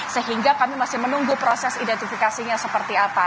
sehingga kami masih menunggu proses identifikasinya seperti apa